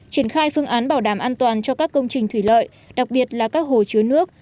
triển khai phương án bảo đảm an toàn cho các công trình thủy lợi đặc biệt là các hồ chứa nước